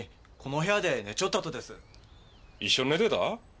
一緒に寝てた？